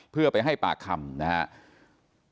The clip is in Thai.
เพื่อไปให้ปากคำนะครับ